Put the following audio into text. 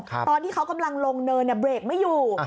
ตอนที่เขากำลังลงเนินเบรกไม่อยู่